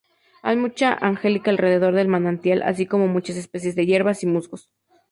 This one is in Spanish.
Hay mucha angelica alrededor del manantial, así como muchas especies de hierbas y musgos.